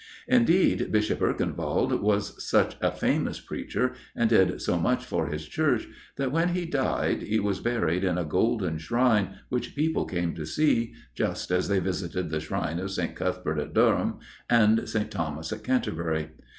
Indeed, Bishop Erkenwald was such a famous preacher, and did so much for his church, that when he died he was buried in a golden shrine which people came to see, just as they visited the shrine of St. Cuthbert at Durham, and St. Thomas at Canterbury.